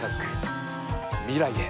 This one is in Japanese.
未来へ。